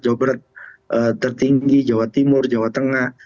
jawa barat tertinggi jawa timur jawa tengah